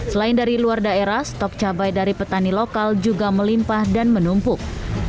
selain dari luar daerah stok cabai dari petani lokal juga melimpah dan menumpuk